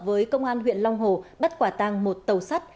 với công an huyện long hồ bắt quả tăng một tàu sắt